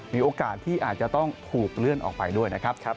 มีโอกาสที่อาจจะต้องถูกเลื่อนออกไปด้วยนะครับ